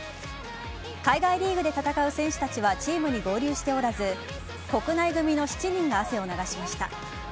海外リーグで戦う選手たちはチームに合流しておらず国内組の７人が汗を流しました。